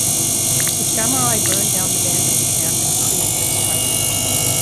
The samurai burn down the bandits' camp in a pre-emptive strike.